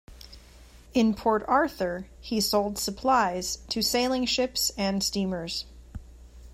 In Port Arthur, he sold supplies to sailing ships and steamers.